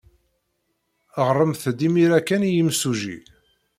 Ɣremt-d imir-a kan i yimsujji.